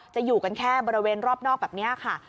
อยู่กันแค่บริเวณรอบนอกแบบนี้ค่ะ